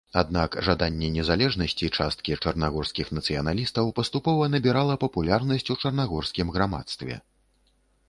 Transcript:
Аднак жаданне незалежнасці часткі чарнагорскіх нацыяналістаў паступова набірала папулярнасць у чарнагорскім грамадстве.